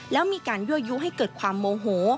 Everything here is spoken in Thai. แล้วมีการยั่วยุให้เกิดความโมโห